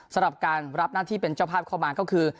สำหรับการรับหน้าที่เป็นเจ้าภาพเข้ามาก็คือ